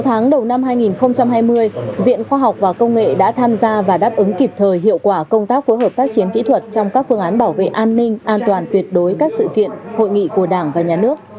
sáu tháng đầu năm hai nghìn hai mươi viện khoa học và công nghệ đã tham gia và đáp ứng kịp thời hiệu quả công tác phối hợp tác chiến kỹ thuật trong các phương án bảo vệ an ninh an toàn tuyệt đối các sự kiện hội nghị của đảng và nhà nước